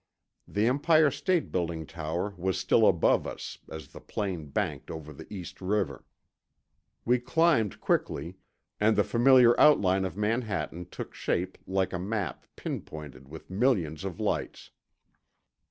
The Empire State Building tower was still above us, as the plane banked over the East River. We climbed quickly, and the familiar outline of Manhattan took shape like a map pin pointed with millions of lights.